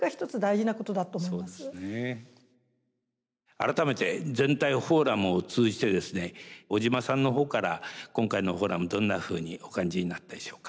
改めて全体をフォーラムを通じてですね小島さんの方から今回のフォーラムどんなふうにお感じになったでしょうか？